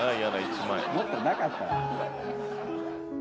もっとなかったの？